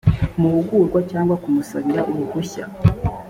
mahugurwa cyangwa kumusabira uruhushya